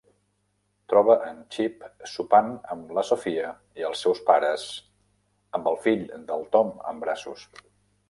Troba en Chip sopant amb la Sofia i els seus pares amb el fill del Tom en braços.